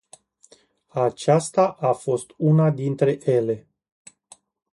Aceasta a fost una dintre ele.